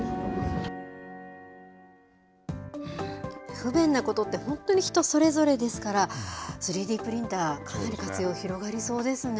不便なことって本当に人それぞれですから、３Ｄプリンター、かなり活用広がりそうですね。